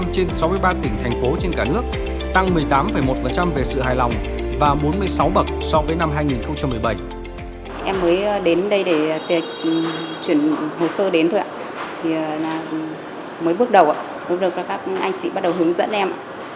một mươi trên sáu mươi ba tỉnh thành phố trên cả nước tăng một mươi tám một về sự hài lòng và bốn mươi sáu bậc so với năm hai nghìn một mươi